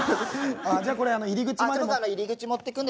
じゃあこれ入り口まで。